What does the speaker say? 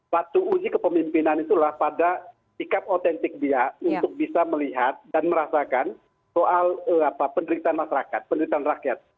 waktu uji kepemimpinan itulah pada sikap otentik dia untuk bisa melihat dan merasakan soal penderitaan masyarakat penderitaan rakyat